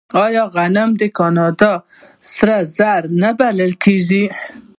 آیا غنم د کاناډا سره زر نه بلل کیږي؟